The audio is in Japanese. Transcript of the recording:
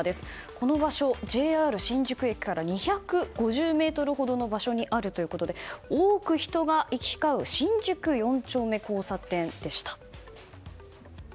この場所、ＪＲ新宿駅から２５０ｍほどの場所にあるということで多くの人が行き交う新宿４丁目交差点でした。